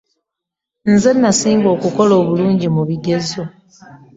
Nze nnasinga okkola obulungi mu bigezo.